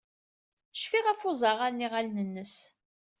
Cfiɣ ɣef uẓɣal n yiɣallen-nnes.